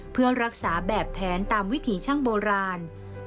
เพื่อรักษาแบบแผนตามวิถีช่างโบราณ